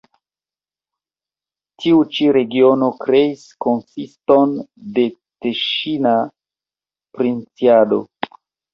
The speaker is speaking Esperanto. Tiu ĉi regiono kreis konsiston de teŝina princlando.